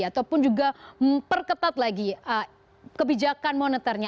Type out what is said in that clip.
ataupun juga memperketat lagi kebijakan moneternya